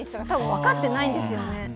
たぶん分かってないんですね。